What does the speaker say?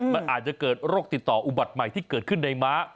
มันอาจจะเกิดโรคติดต่ออุบัติใหม่ที่เกิดขึ้นในม้า